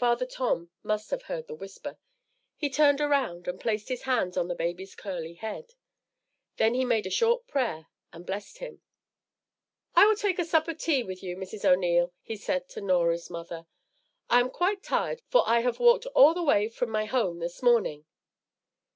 Father Tom must have heard the whisper. He turned around and placed his hands on the baby's curly head. Then he made a short prayer and blessed him. "I will take a sup of tea with you, Mrs. O'Neil," he said to Norah's mother. "I am quite tired, for I have walked all the way from my home this morning."